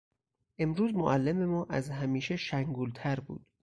امروز معلم ما از همیشه شنگول تر بود.